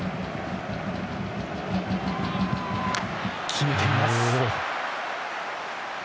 決めています。